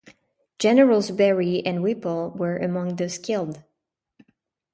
Generals Berry and Whipple were among those killed.